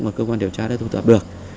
mà cơ quan điều tra đã thu tập được